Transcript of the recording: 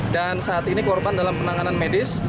dan saat ini korban dalam penanganan medis